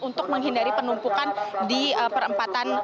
untuk menghindari penumpukan di perempatan